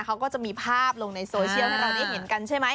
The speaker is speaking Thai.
เขาก็จะมีภาพลงในโซเชียลให้เราได้เห็นกันใช่ไหม